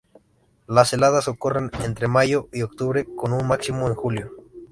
Las heladas ocurren entre mayo y octubre, con un máximo en julio.